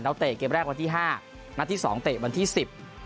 แล้วเตะเกมแรกวันที่๕นัดที่๒เตะวันที่๑๐